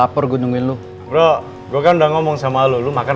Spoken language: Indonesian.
agun dua lebih keras cepet